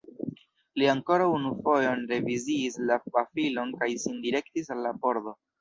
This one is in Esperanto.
Li ankoraŭ unu fojon reviziis la pafilon kaj sin direktis al la pordo.